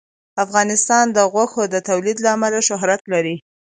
افغانستان د غوښې د تولید له امله شهرت لري.